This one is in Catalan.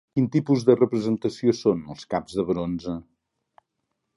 Quin tipus de representació són els caps de bronze?